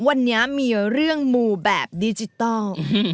วันนี้มีเรื่องมูแบบดิจิทัล